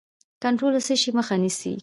کنټرول د څه شي مخه نیسي؟